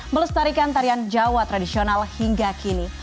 melestarikan tarian jawa tradisional hingga kini